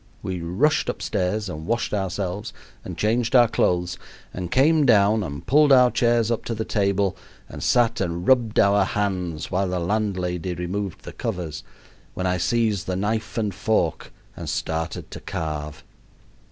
We rushed upstairs, and washed ourselves, and changed our clothes, and came down, and pulled our chairs up to the table, and sat and rubbed our hands while the landlady removed the covers, when I seized the knife and fork and started to carve.